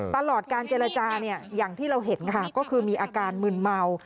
ตลอดการเจรจาเนี่ยอย่างที่เราเห็นค่ะก็คือมีอาการมืนเมา